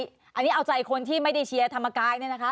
แยกความเป็นใจขนที่ไม่ได้เชียร์ธรรมกลาย